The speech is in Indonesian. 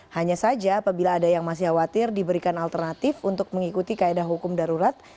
hanya saja apabila ada yang masih khawatir diberikan alternatif untuk mengikuti kaedah hukum darurat